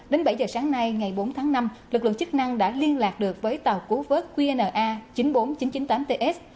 đến bảy giờ sáng nay ngày bốn tháng năm lực lượng chức năng đã liên lạc được với tàu cứu vớt qna chín mươi bốn nghìn chín trăm chín mươi tám ts